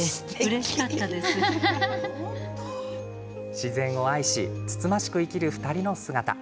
自然を愛しつつましく生きる２人の姿。